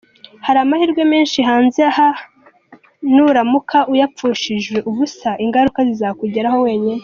Hari amahirwe menshi hanze aha nuramuka uyapfushije ubusa ingaruka zizakugeraho wenyine.